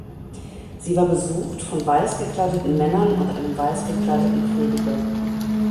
Sie war besucht von weiß gekleideten Männern und einem weiß gekleideten Prediger.